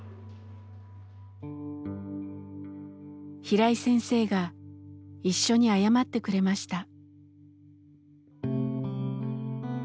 平井先生が一緒に謝ってくれました。